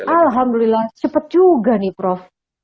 alhamdulillah cepet juga nih prof